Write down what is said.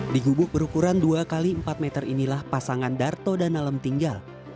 di gubuk berukuran dua x empat meter inilah pasangan darto dan nalem tinggal